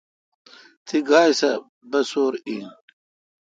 تہ گاے سہ بسو°ر این۔